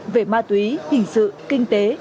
về ma túy hình sự kinh tế